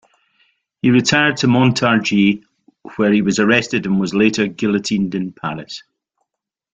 He retired to Montargis, where he was arrested, and was later guillotined in Paris.